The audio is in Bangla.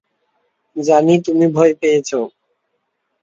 জানি তুমি ভয় পেয়েছো।